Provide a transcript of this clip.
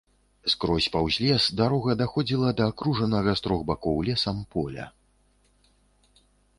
Скрозь паўз лес дарога даходзіла да акружанага з трох бакоў лесам поля.